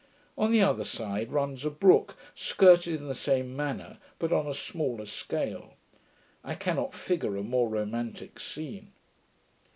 On the other side runs a brook, skirted in the same manner, but on a smaller scale. I cannot figure a more romantick scene.